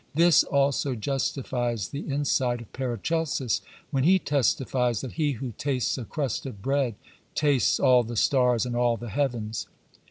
This also justifies the insight of Paracelsus when he testifies that he who tastes a crust of bread tastes all the stars and all the heavens.